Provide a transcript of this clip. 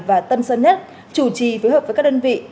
và tân sơn nhất chủ trì phối hợp với các đơn vị